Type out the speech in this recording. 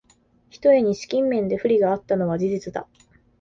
ひとえに資金面で不利があったのは事実だ